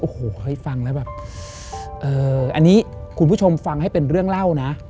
โอ้โหเฮ้ยฟังแล้วแบบอันนี้คุณผู้ชมฟังให้เป็นเรื่องเล่านะ